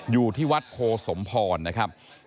อยู่ที่วัดโพสมพรนะครับ